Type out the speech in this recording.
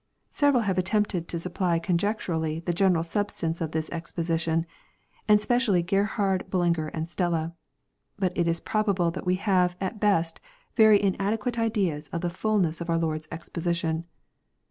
Several have attempted to supply conjecturally the general substance of this exposition, and specially Gerhard, BuUinger, and Stella. But it is probable that we have, at best, very inadequate ideas of the fullness of our Lord's exposition.